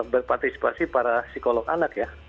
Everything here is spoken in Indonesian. berpartisipasi para psikolog anak ya